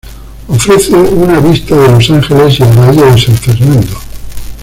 Ofrece una vista de Los Ángeles y el Valle de San Fernando.